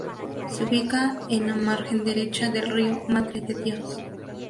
Se ubica en la margen derecha del río Madre de Dios.